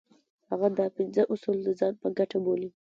هغه دا پنځه اصول د ځان په ګټه بولي.